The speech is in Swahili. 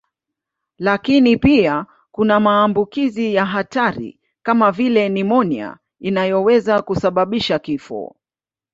Lakini pia kuna maambukizi ya hatari kama vile nimonia inayoweza kusababisha kifo.